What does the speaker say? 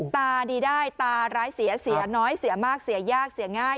ตาดีได้ตาร้ายเสียเสียน้อยเสียมากเสียยากเสียง่าย